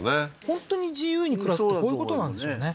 本当に自由に暮らすってこういうことなんでしょうね